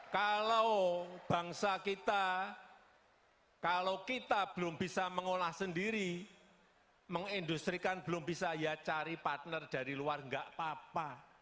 kalau bangsa kita kalau kita belum bisa mengolah sendiri mengindustrikan belum bisa ya cari partner dari luar nggak apa apa